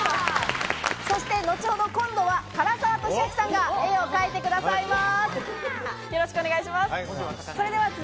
後ほど、今度は唐沢寿明さんが絵を描いてくださいます。